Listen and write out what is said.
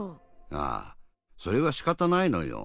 ああそれはしかたないのよ。